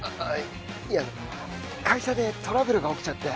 いや会社でトラブルが起きちゃって。